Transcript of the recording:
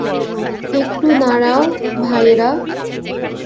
একটু দাঁড়াও, ভাইয়েরা।